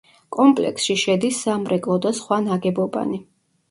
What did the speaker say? კომპლექსში შედის სამრეკლო და სხვა ნაგებობანი.